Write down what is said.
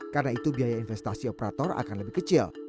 karena itu biaya investasi operator akan lebih kecil